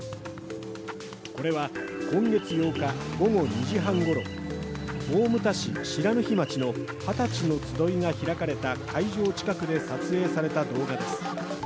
これは、今月８日午後２時半ごろ大牟田市不知火町のはたちの集いが開かれた会場近くで撮影された動画です。